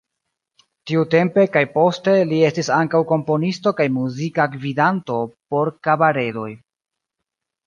Tiutempe kaj poste li estis ankaŭ komponisto kaj muzika gvidanto por kabaredoj.